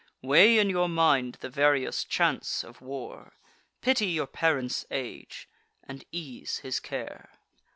Weigh in your mind the various chance of war; Pity your parent's age, and ease his care."